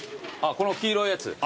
この黄色いやつ？